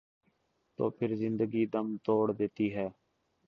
تو پھر زندگی دم توڑ دیتی ہے۔